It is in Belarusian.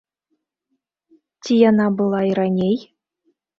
Ці яна была і раней?